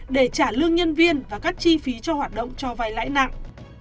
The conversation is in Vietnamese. để trả lương nhân viên và các chi phí cho hoạt động cho vay lãi nặng